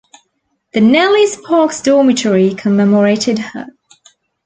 The Nellie Sparks Dormitory commemorated her.